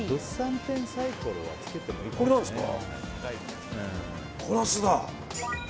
これなんですか？